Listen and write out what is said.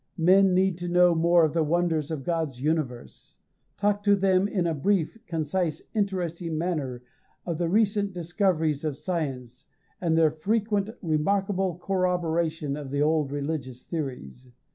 Men need to know more of the wonders of God's universe. Talk to them in a brief, concise, interesting manner of the recent discoveries of science, and their frequent remarkable corroboration of the old religious theories.